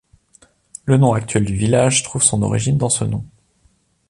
Le nom actuel du village trouve son origine dans ce nom.